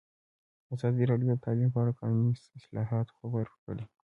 ازادي راډیو د تعلیم په اړه د قانوني اصلاحاتو خبر ورکړی.